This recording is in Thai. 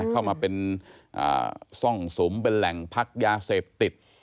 เข้ามาเป็นซ่องสุมเป็นแหล่งพักยาเสพติด